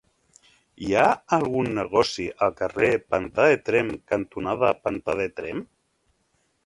Hi ha algun negoci al carrer Pantà de Tremp cantonada Pantà de Tremp?